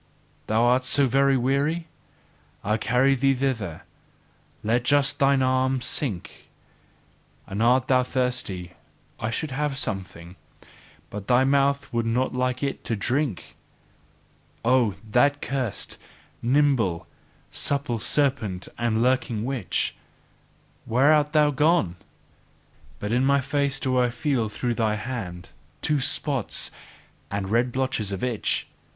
Thou art so very weary? I carry thee thither; let just thine arm sink! And art thou thirsty I should have something; but thy mouth would not like it to drink! Oh, that cursed, nimble, supple serpent and lurking witch! Where art thou gone? But in my face do I feel through thy hand, two spots and red blotches itch!